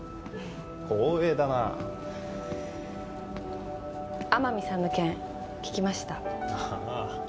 光栄だな天海さんの件聞きましたああ